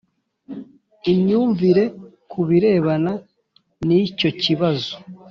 imyumvire ku birebana n'icyo kibazo.